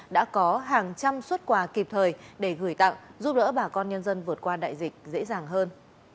đã có hàng trăm xuất quà kịp thời để gửi tặng giúp đỡ bà con nhân dân vượt qua đại dịch dễ dàng hơn